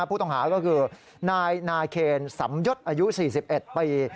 ผู้ตัวหาก็คือนายนาเครณสำยสอ๔๑ปี